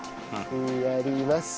やります。